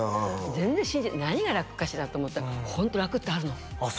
全然信じ何が楽かしらって思ったらホント楽ってあるのあっ